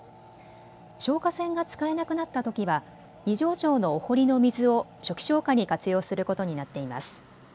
消火栓が使えなくなったときは二条城のお堀の水を初期消火に活用することになっています。